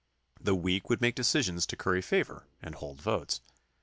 The weak would make decisions to curry favor and hold votes.